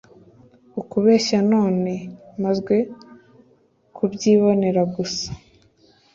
ukubeshya none mazw kubyibonera gusa